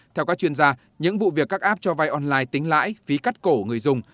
theo các chuyên gia những vụ việc các app cho vay online tính lãi phí cắt cổ người dùng